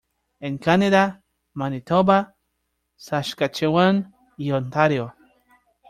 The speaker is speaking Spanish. En Canadá: Manitoba, Saskatchewan y Ontario.